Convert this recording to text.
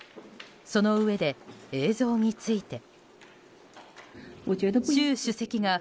そのうえで映像について。